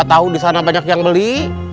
tahu di sana banyak yang beli